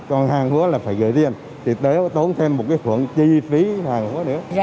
còn hàng quá là phải gửi đi thì tốn thêm một cái thuận chi phí hàng quá nữa